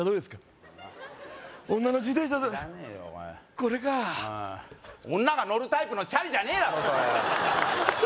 これか女が乗るタイプのチャリじゃねえだろ